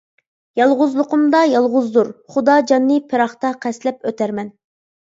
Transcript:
يالغۇزلۇقۇمدا يالغۇزدۇر خۇدا جاننى پىراقتا قەستلەپ ئۆتەرمەن.